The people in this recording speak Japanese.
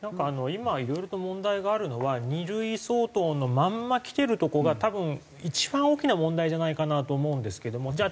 今いろいろと問題があるのは２類相当のまんまきてるとこが多分一番大きな問題じゃないかなと思うんですけども。